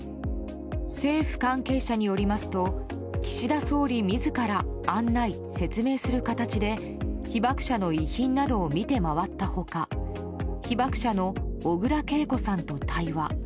政府関係者によりますと岸田総理自ら案内・説明する形で被爆者の遺品などを見て回った他被爆者の小倉桂子さんと対話。